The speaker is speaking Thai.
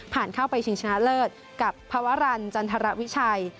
เข้าไปชิงชนะเลิศกับภาวรรณจันทรวิชัย